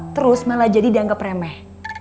terus malah jadi dianggap remeh